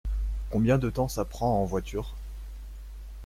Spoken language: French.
Combien de temps ça prend en voiture ?